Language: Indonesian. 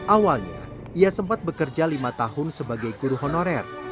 awalnya ia sempat bekerja lima tahun sebagai guru honorer